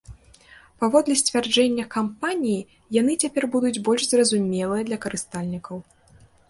Паводле сцвярджэння кампаніі, яны цяпер будуць больш зразумелыя для карыстальнікаў.